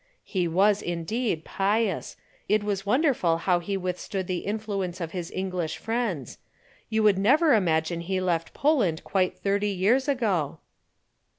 "He was, indeed, pious. It was wonderful how he withstood the influence of his English friends. You would never imagine he left Poland quite thirty years ago."